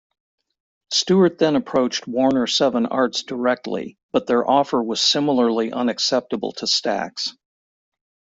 Stewart then approached Warner-Seven Arts directly, but their offer was similarly unacceptable to Stax.